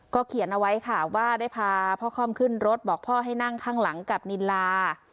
เขียนเอาไว้ค่ะว่าได้พาพ่อค่อมขึ้นรถบอกพ่อให้นั่งข้างหลังกับนินลา